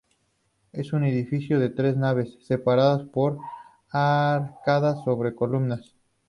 Es un edificio de tres naves separadas por arcadas sobre columnas.